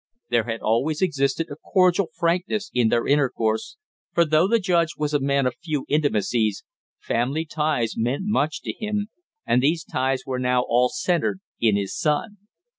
There had always existed a cordial frankness in their intercourse, for though the judge was a man of few intimacies, family ties meant much to him, and these ties were now all centered in his son.